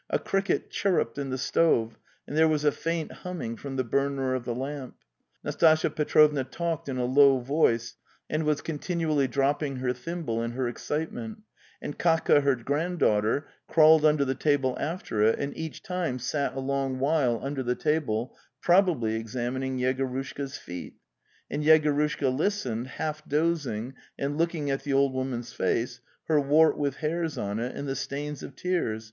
... A cricket chirruped in the stove, and there was a faint humming from the burner of the lamp. Nastasya Petrovna talked in a low voice, and was continually dropping her thimble in her excitement; and Katka her granddaughter, crawled under the table after it and each time sat a long while under the table, probably examining Yegorushka's feet; and Yegorushka listened, half dozing and looking at the old woman's face, her wart with hairs on it, and the stains of tears